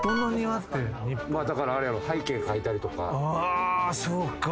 だから背景描いたりとか。